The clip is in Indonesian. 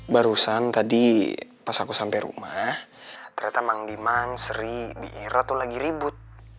barusan tadi pas aku sampai rumah ternyata mang dimang sri biira tuh lagi ribut